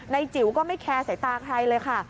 จิ๋วก็ไม่แคร์สายตาใครเลยค่ะ